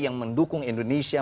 yang mendukung indonesia